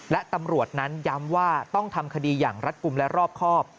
และตำรวจนั้นย้ำว่าต้องทำคดีอย่างรัฐกลุ่มและรอบครอบ